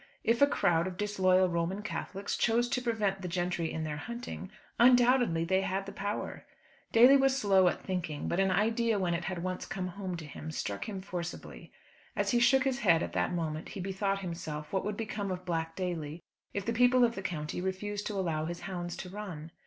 If a crowd of disloyal Roman Catholics chose to prevent the gentry in their hunting, undoubtedly they had the power. Daly was slow at thinking, but an idea when it had once come home to him, struck him forcibly. As he shook his head at that moment he bethought himself, what would become of Black Daly if the people of the county refused to allow his hounds to run?